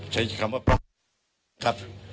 ใช้คำว่าปลอมครับ